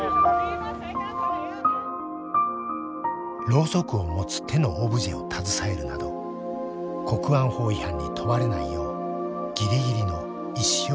ろうそくを持つ手のオブジェを携えるなど国安法違反に問われないようギリギリの意思表示を試みた市民たち。